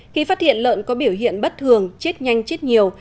khi phát hiện lợn có biểu hiện bất thường chết nhanh chết nhiều